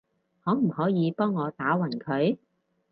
可唔可以幫我打暈佢？